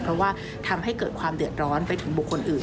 เพราะว่าทำให้เกิดความเดือดร้อนไปถึงบุคคลอื่น